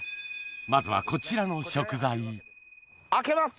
まずはこちらの食材開けます！